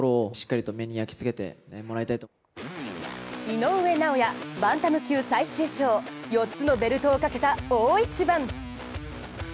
井上尚弥・バンタム級最終章、４つのベルトをかけた大一番。